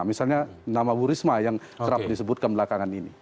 misalnya nama bu risma yang terap disebut kebelakangan ini